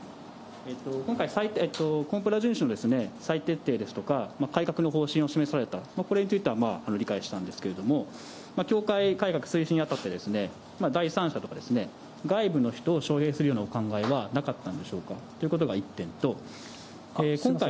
今回、コンプラ順守の再徹底ですとか、改革の方針を示された、これについてはまあ、理解したんですけれども、教会改革推進に当たって、第三者とか、外部の人を招へいするようなお考えはなかったんでしょうか、ということが１点と、今回。